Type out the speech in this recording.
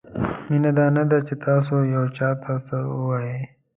مینه دا نه ده چې تاسو یو چاته څه ووایئ.